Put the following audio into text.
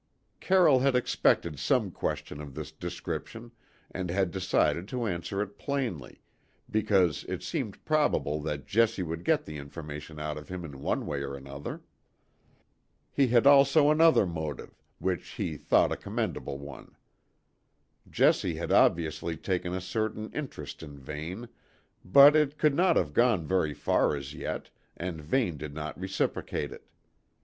Carroll had expected some question of this description, and had decided to answer it plainly, because it seemed probable that Jessie would get the information out of him in one way or another. He had also another motive, which he thought a commendable one. Jessie had obviously taken a certain interest in Vane, but it could not have gone very far as yet, and Vane did not reciprocate it.